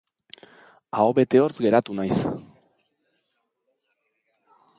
Aho bete hortz geratu naiz.